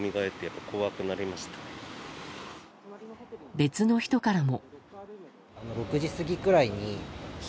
別の人からも。